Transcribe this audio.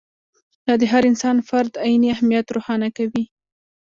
دا د هر انساني فرد عیني اهمیت روښانه کوي.